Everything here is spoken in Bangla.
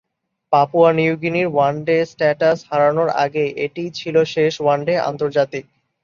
পাপুয়া নিউগিনির ওয়ানডে স্ট্যাটাস হারানোর আগে এটিই ছিল শেষ ওয়ানডে আন্তর্জাতিক।